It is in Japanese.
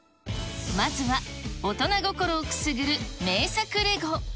まずは大人心をくすぐる名作レゴ。